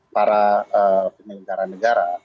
para penyelenggara negara